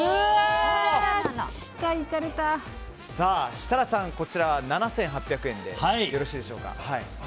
設楽さん、７８００円でよろしいでしょうか。